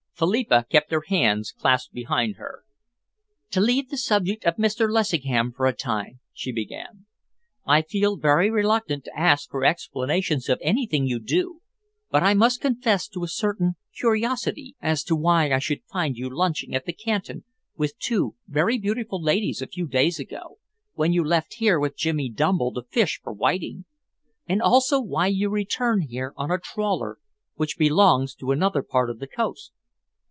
Philippa kept her hands clasped behind her. "To leave the subject of Mr. Lessingham for a time," she began, "I feel very reluctant to ask for explanations of anything you do, but I must confess to a certain curiosity as to why I should find you lunching at the Canton with two very beautiful ladies, a few days ago, when you left here with Jimmy Dumble to fish for whiting; and also why you return here on a trawler which belongs to another part of the coast?"